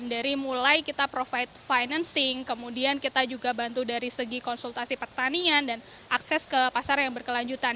dari mulai kita provide financing kemudian kita juga bantu dari segi konsultasi pertanian dan akses ke pasar yang berkelanjutan